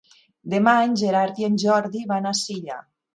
Demà en Gerard i en Jordi van a Silla.